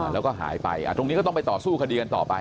แล้วก็หายไปตรงนี้ก็ต้องไปต่อสู้คดีกันต่อไป